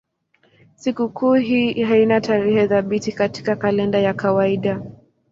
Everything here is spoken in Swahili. Sikukuu hii haina tarehe thabiti katika kalenda ya kawaida.